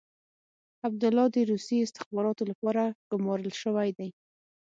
عبدالله د روسي استخباراتو لپاره ګمارل شوی دی.